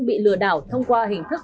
bị lừa đảo thông qua hình thức